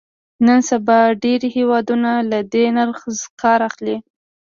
نن سبا ډېری هېوادونه له دې نرخ کار اخلي.